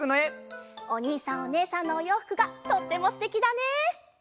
おにいさんおねえさんのおようふくがとってもすてきだね！